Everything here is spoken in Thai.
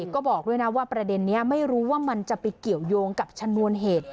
ก็บอกด้วยนะว่าประเด็นนี้ไม่รู้ว่ามันจะไปเกี่ยวยงกับชนวนเหตุ